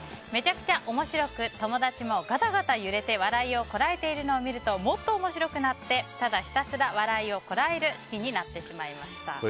めちゃくちゃ面白く友達もガタガタ揺れて笑いをこらえているのを見るともっと面白くなってただひたすら笑いをこらえる式になってしまいました。